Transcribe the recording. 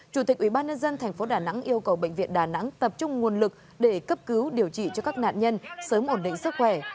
chủ tịch ubnd tp đà nẵng yêu cầu bệnh viện đà nẵng tập trung nguồn lực để cấp cứu điều trị cho các nạn nhân sớm ổn định sức khỏe